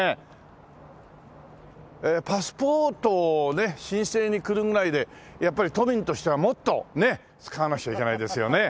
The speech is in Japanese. パスポートをね申請に来るぐらいでやっぱり都民としてはもっとね使わなくちゃいけないですよね。